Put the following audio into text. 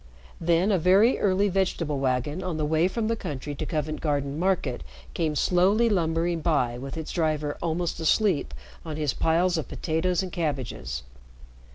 Then a very early vegetable wagon on the way from the country to Covent Garden Market came slowly lumbering by with its driver almost asleep on his piles of potatoes and cabbages.